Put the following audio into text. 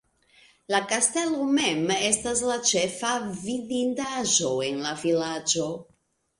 La kastelo mem estas la ĉefa vidindaĵo en la vilaĝo.